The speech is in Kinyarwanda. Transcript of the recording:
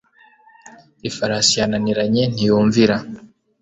ifarasi yananiranye, ntiyumvira